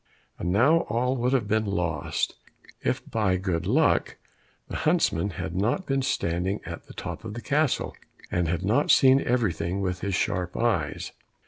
And now all would have been lost if by good luck the huntsman had not been standing at the top of the castle, and had not seen everything with his sharp eyes.